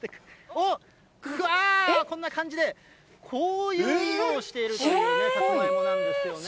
おっ、うわー、こんな感じで、こういう色をしているという、さつまいもなんですよね。